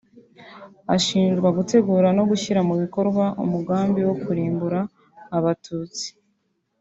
Ashinjwa guteguye no gushyira mu bikorwa umugambi wo kurimbura Abatutsi